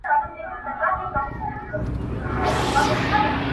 نه انګور سوه نه شراب توروه غوره ده,